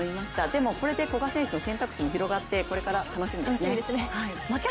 でも、これで古賀選手の選択肢も広がってこれから楽しみですね。